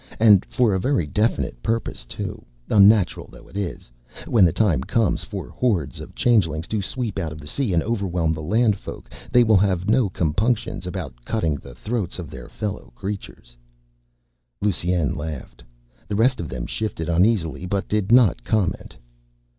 And for a very definite purpose, too, unnatural though it is. When the time comes for hordes of Changelings to sweep out of the sea and overwhelm the Landfolk, they will have no compunctions about cutting the throats of their fellow creatures." Lusine laughed. The rest of them shifted uneasily but did not comment.